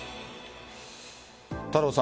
太郎さん